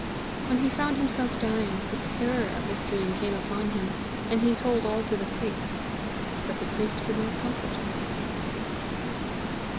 When he found himself dying, the terror of his dream came upon him, and he told all to the priest. But the priest could not comfort him."